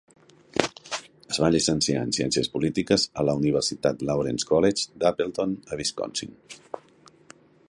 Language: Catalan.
Es va llicenciar en ciències polítiques a la Universitat Lawrence College d'Appleton, a Wisconsin.